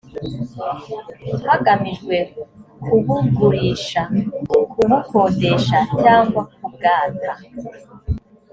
hagamijwe kubugurisha kubukodesha cyangwa kubwata